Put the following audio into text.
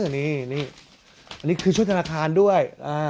นี่อันนี้คือชุดธนาคารด้วย